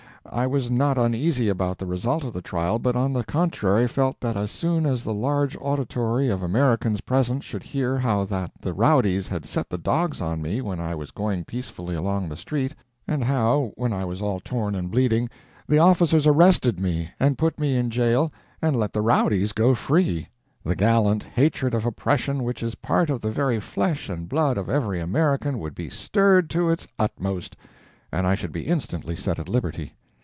I was not uneasy about the result of the trial, but on the contrary felt that as soon as the large auditory of Americans present should hear how that the rowdies had set the dogs on me when I was going peacefully along the street, and how, when I was all torn and bleeding, the officers arrested me and put me in jail and let the rowdies go free, the gallant hatred of oppression which is part of the very flesh and blood of every American would be stirred to its utmost, and I should be instantly set at liberty.